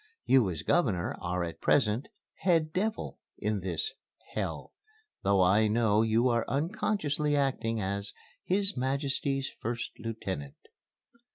You as Governor are at present 'head devil' in this 'hell,' though I know you are unconsciously acting as 'His Majesty's' 1st Lieutenant."